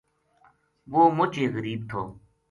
وہ مچ ہی غریب تھو